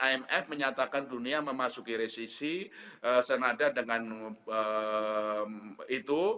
imf menyatakan dunia memasuki resisi senada dengan itu